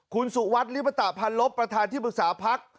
คุณสุวัสดิริปตะพันลบประธานที่ปรึกษาพัก